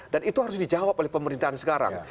dan itu harus dijawab oleh pemerintahan sekarang